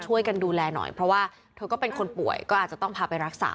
ช่วยกันดูแลหน่อยเพราะว่าเธอก็เป็นคนป่วยก็อาจจะต้องพาไปรักษา